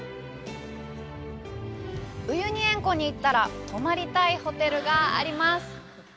ウユニ塩湖に行ったら泊まりたいホテルがあります。